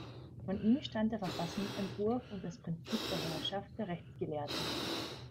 Von ihm stammt der Verfassungsentwurf und das Prinzip der Herrschaft der Rechtsgelehrten.